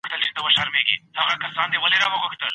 دا حالت پېژندل سوی دی.